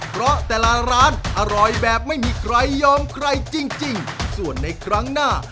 เพราะแต่ละร้านอร่อยแบบไม่มีใครยอมใครจริงจริงส่วนในครั้งหน้า